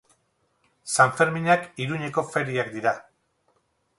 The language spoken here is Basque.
Sanferminak Iruñeko feriak dira.